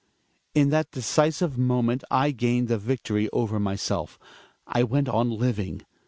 In that decisive moment I gained the victory over myself. I went on living.